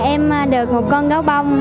dạ em được một con gáo bông